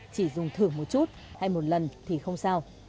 chỉ dùng thưởng một chút hay một lần thì không sao